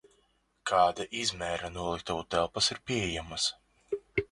Kāda izmēra noliktavu telpas ir pieejamas?